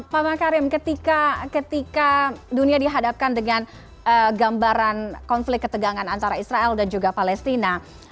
pak makarim ketika dunia dihadapkan dengan gambaran konflik ketegangan antara israel dan juga palestina